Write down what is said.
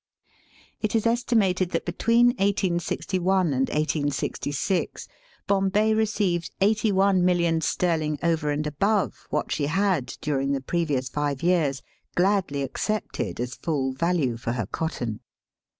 It is estimated that between 1861 and 1866 Bombay received eighty one millions sterling over and above what she had during the previous five years gladly accepted as full value for her cotton.